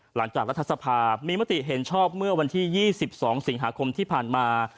หลังจากรัฐสภามีมติเห็นชอบเมื่อวันที่๒๒สิงหาคมที่ผ่านมา